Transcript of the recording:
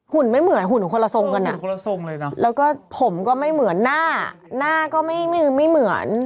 หุ่นไม่เหมือนหุ่นของคนละทรงกันนะแล้วก็ผมก็ไม่เหมือนหน้าหน้าก็ไม่เหมือน